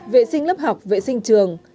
vệ sinh lớp học vệ sinh trường